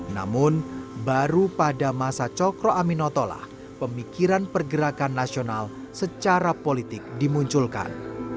namun baru pada masa cokro aminotolah pemikiran pergerakan nasional secara politik dimunculkan